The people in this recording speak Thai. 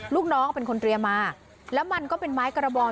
ลูกน้องเป็นคนเตรียมมาแล้วมันก็เป็นไม้กระบอง